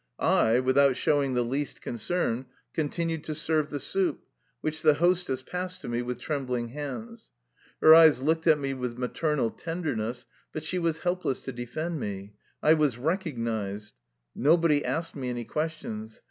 I, without showing the least concern, continued to serve the soup, which the hostess passed to me with trembling hands. Her eyes looked at me with maternal tenderness, but she was helpless to defend me. I was recognized. Nobody asked me any questions.